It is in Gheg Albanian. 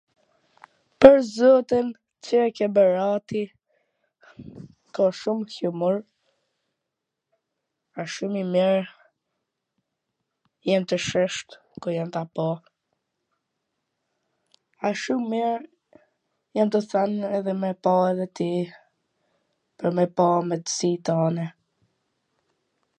Pwr zotin, qe ke berati, ka shum qumur, a shum i mir, jam te shesht ku jam, na pa, asht shum mir, jam tu than edhe me pa edhe ti, pwr me pa me sit tanw.